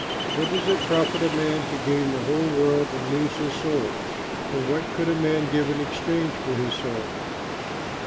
What does it profit a man to gain the whole world and lose his soul? For what could a man give in exchange for his soul?